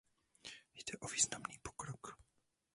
Jde o významný pokrok.